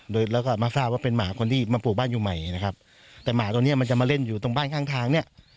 โดยแล้วก็มาทราบว่าเป็นหมาคนที่มาปลูกบ้านอยู่ใหม่นะครับแต่หมาตัวเนี้ยมันจะมาเล่นอยู่ตรงบ้านข้างทางเนี่ย